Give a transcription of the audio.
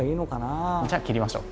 じゃあ切りましょう。